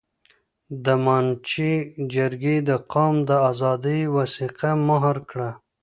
د مانجې جرګې د قوم د آزادۍ وثیقه مهر کړه.